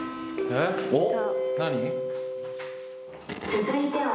えっ。